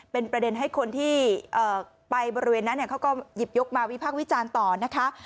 เป็นประเด็นให้คนที่ไปบริเวณนั้นเขาก็หยิบยกมาวิพากษ์วิจารณ์ต่อนะคะ